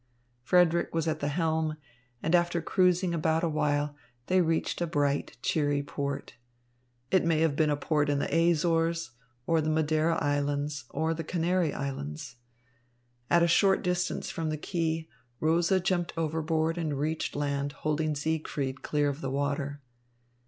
Frederick was at the helm, and after cruising about a while, they reached a bright, cheery port. It may have been a port in the Azores, or the Madeira Islands, or the Canary Islands. At a short distance from the quay, Rosa jumped overboard and reached land holding Siegfried clear of the water.